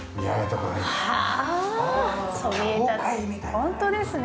ホントですね。